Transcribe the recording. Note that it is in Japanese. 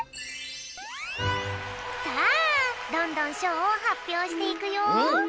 さあどんどんしょうをはっぴょうしていくよ。